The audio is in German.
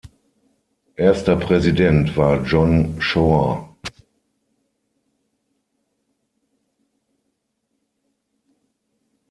Erster Präsident war John Shore.